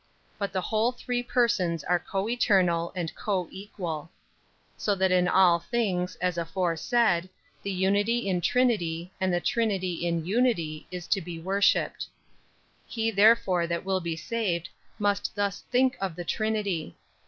26. But the whole three persons are coeternal, and coequal. 27. So that in all things, as aforesaid, the Unity in Trinity and the Trinity in Unity is to be worshipped. 28. He therefore that will be saved must thus think of the Trinity.